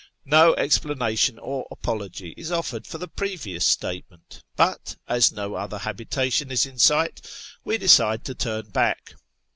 No explanation or apology is offered for the previous statement, but, as no other habitation is in sight, we decide to turn back.